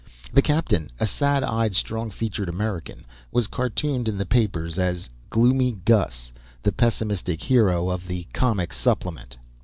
The captain, a sad eyed, strong featured American, was cartooned in the papers as "Gloomy Gus" (the pessimistic hero of the comic supplement).